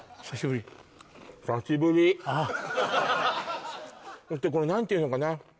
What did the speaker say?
そしてこの何ていうのかな